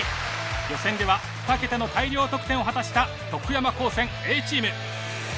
予選では２桁の大量得点を果たした徳山高専Ａチーム。